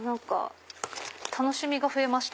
楽しみが増えました。